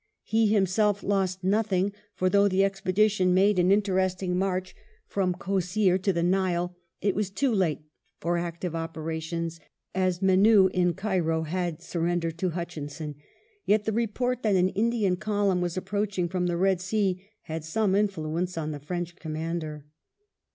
He himself lost nothing, for though the expedition made an interesting march from Kosseir to the Nile, it was too late for active operations, as Menou at Cairo had surrendered to Hutchinson; yet the report that an Indian column was approaching from the Eed Sea had some influence on the French commander.